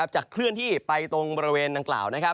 จะเคลื่อนที่ไปตรงบริเวณดังกล่าว